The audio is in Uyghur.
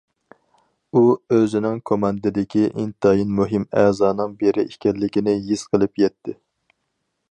ئۇ ئۆزىنىڭ كوماندىدىكى ئىنتايىن مۇھىم ئەزانىڭ بىرى ئىكەنلىكىنى ھېس قىلىپ يەتتى.